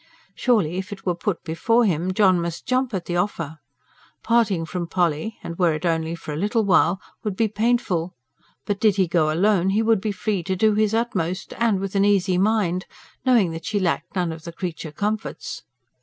Surely, if it were put before him, John must jump at the offer! Parting from Polly, and were it only for a little while, would be painful; but, did he go alone, he would be free to do his utmost and with an easy mind, knowing that she lacked none of the creature comforts.